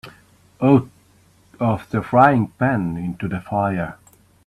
Out of the frying pan into the fire.